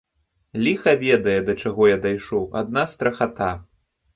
Ліха ведае, да чаго я дайшоў, адна страхата.